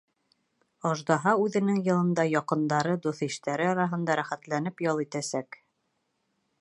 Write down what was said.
Аждаһа үҙенең йылында яҡындары, дуҫ-иштәре араһында рәхәтләнеп ял итәсәк.